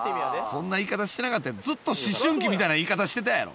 そんな言い方してなかったよ、ずっと思春期みたいな言い方してたやろ。